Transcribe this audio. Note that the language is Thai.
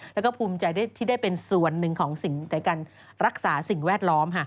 แล้วก็ภูมิใจที่ได้เป็นส่วนหนึ่งของสิ่งในการรักษาสิ่งแวดล้อม